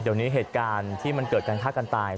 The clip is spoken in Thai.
เดี๋ยวนี้เหตุการณ์ที่มันเกิดการฆ่ากันตาย